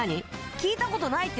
聞いた事ないって！